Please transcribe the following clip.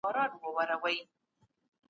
رښتیني اسناد تل د څېړونکي ملګري وي..